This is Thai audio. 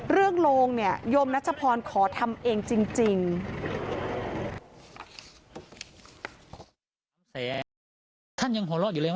เรื่องโยมนัชพรขอทำเองจริง